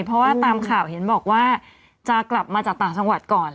เพราะว่าตามข่าวเห็นบอกว่าจะกลับมาจากต่างจังหวัดก่อน